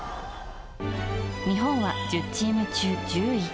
日本は１０チーム中１０位。